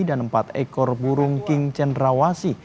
dan empat ekor burung king cendrawasi